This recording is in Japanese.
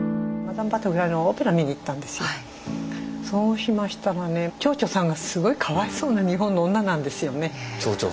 そうしましたらね蝶々さんがすごいかわいそうな日本の女なんですよね。